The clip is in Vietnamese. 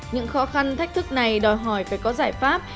những khó khăn thách thức này đòi hỏi phải có giải pháp